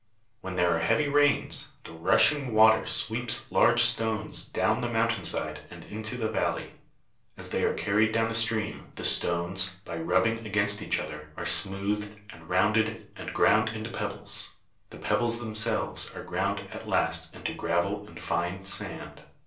When there are heavy rains, the rushing water sweeps large stones down the mountain side and into the valley. As they are carried down the stream, the stones, by rubbing against each other, are smoothed and rounded and ground into pebbles. The pebbles themselves are ground at last into gravel and fine sand.